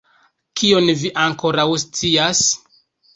Kion vi ankoraŭ scias?